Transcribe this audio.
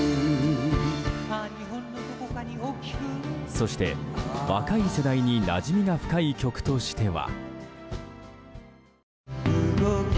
そして、若い世代になじみが深い曲としては。